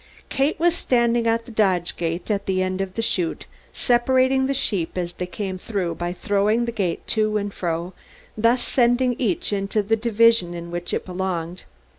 Kate was standing at the "dodge gate" at the end of the chute separating the sheep as they came through by throwing the gate to and fro, thus sending each into the division in which it belonged.